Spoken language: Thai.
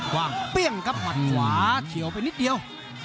ว่างเปรี้ยงครับหมัดขวาเฉียวไปนิดเดียว